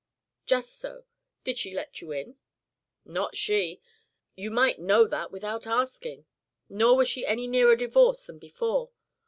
"Just so. Did she let you in?" "Not she. You might know that without asking. Nor was she any nearer divorce than before.